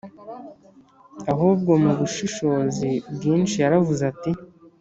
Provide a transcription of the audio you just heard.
ahubwo mu bushishozi bwinshi yaravuze ati